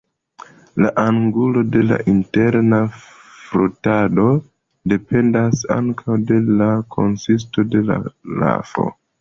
La angulo de la interna frotado dependas ankaŭ de la konsisto de la lafo.